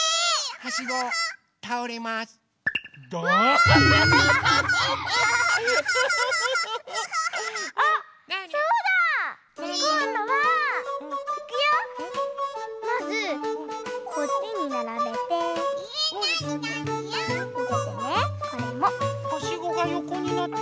はしごがよこになって。